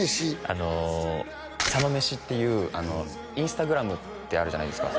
あの佐野飯っていうＩｎｓｔａｇｒａｍってあるじゃないですか